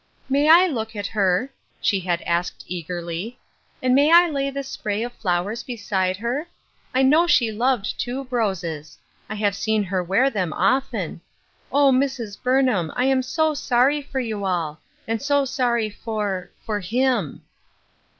" May I look at her," she had asked eagerly, " and may I lay this spray of flowers beside her ? I know she loved tuberoses ; I have seen her wear them often. O, Mrs. Burnham ! I am so sorry for you all ; and so sorry for — for him."